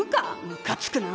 むかつくな。